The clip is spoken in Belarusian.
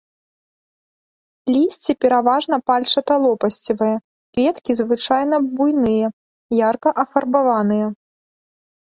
Лісце пераважна пальчаталопасцевае, кветкі звычайна буйныя, ярка афарбаваныя.